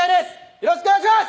よろしくお願いします！